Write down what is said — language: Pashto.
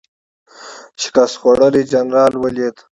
شکست خوړلی جنرال ولید.